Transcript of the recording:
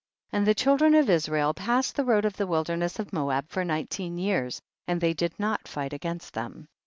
13. And the children of Israel passed the road of the wilderness of Moab for nineteen years, and they did not fight against them.